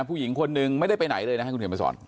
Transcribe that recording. ผู้หญิงคนนึงไม่ได้ไปไหนเลยนะครับคุณเห็นมาสอน